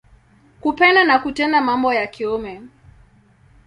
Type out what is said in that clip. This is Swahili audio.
Kupenda na kutenda mambo ya kiume.